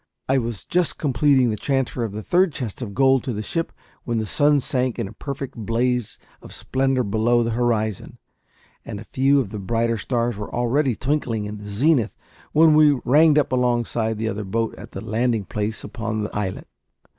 I was just completing the transfer of the third chest of gold to the ship when the sun sank in a perfect blaze of splendour below the horizon, and a few of the brighter stars were already twinkling in the zenith when we ranged up alongside the other boat at the landing place upon the islet.